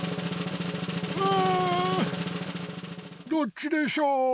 うんどっちでしょう？